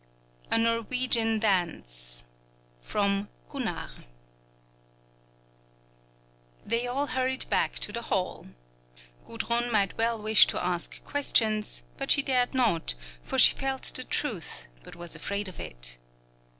A NORWEGIAN DANCE From 'Gunnar' They all hurried back to the hall. Gudrun might well wish to ask questions, but she dared not; for she felt the truth, but was afraid of it.